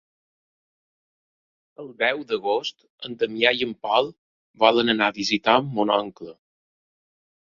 El deu d'agost en Damià i en Pol volen anar a visitar mon oncle.